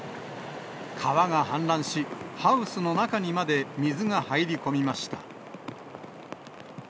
川が氾濫し、ハウスの中にまで水が入り込みました。